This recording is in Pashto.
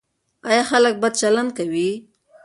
ایا خلک بد چلند کوي؟